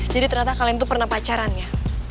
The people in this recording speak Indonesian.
jadi ternyata kalian tuh pernah pacaran ya